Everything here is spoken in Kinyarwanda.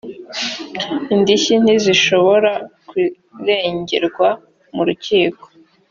indishyi ntizishobora kuregerwa mu rukiko